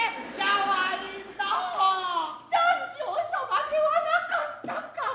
彈正様ではなかったか。